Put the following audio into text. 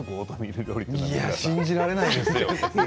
信じられないですよ。